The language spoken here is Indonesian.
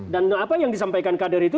dan apa yang disampaikan kader itu